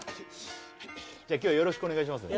今日はよろしくお願いしますね